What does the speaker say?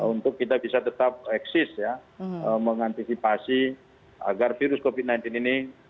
untuk kita bisa tetap eksis mengantisipasi agar virus covid sembilan belas ini